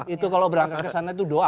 itu kalau berangkat kesana itu doa